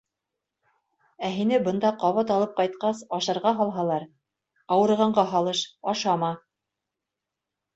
Ә һине бында ҡабат алып ҡайтҡас, ашарға һалһалар, ауырығанға һалыш, ашама.